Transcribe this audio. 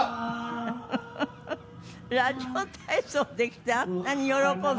ラジオ体操できてあんなに喜んで。